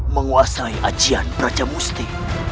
menguasai ajian brajamusti